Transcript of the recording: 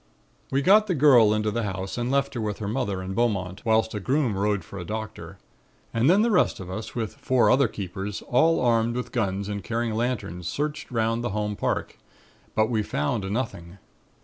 "We got the girl into the house and left her with her mother and Beaumont, whilst a groom rode for a doctor. And then the rest of us, with four other keepers, all armed with guns and carrying lanterns, searched 'round the home park. But we found nothing.